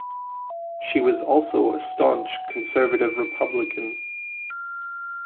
She was also a staunch conservative Republican.